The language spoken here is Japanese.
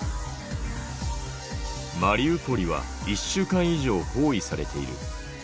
マリウポリは１週間以上包囲されている。